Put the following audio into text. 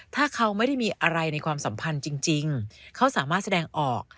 ถ้าเขาไม่ได้มีอะไรในความสัมพันธ์จริงเขาสามารถแสดงออก